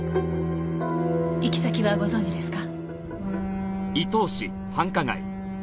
行き先はご存じですか？